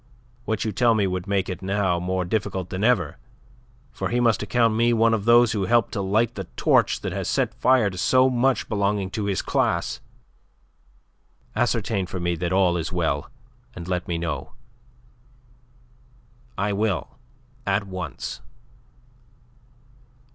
What you tell me would make it now more difficult than ever, for he must account me one of those who helped to light the torch that has set fire to so much belonging to his class. Ascertain for me that all is well, and let me know." "I will, at once."